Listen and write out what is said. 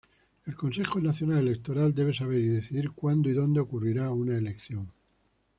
El Consejo Nacional Electoral debe saber y decidir cuándo y dónde ocurrirá una elección.